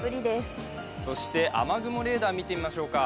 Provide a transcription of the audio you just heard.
雨雲レーダー見てみましょうか。